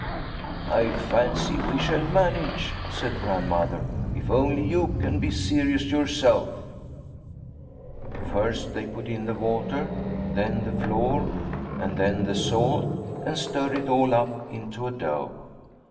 " I fancy we shall manage," said Grand mother, " if only you can be serious yourself." First they put in the water, then the flour and then the salt, and stirred it all up into a dough.